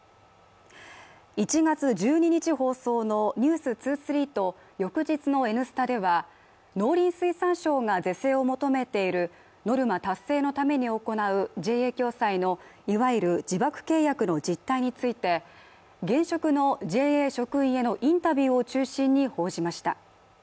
１月１２日放送の「ｎｅｗｓ２３」と翌日の「Ｎスタ」では農林水産省が是正を求めているノルマ達成のために行うＪＡ共済のいわゆる自爆契約の実態について現職のＪＡ職員へのインタビューを中心に報じました。